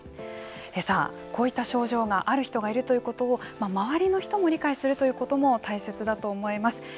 さあ、こういった症状がある人がいるということを周りの人が理解するということも大切だと思います。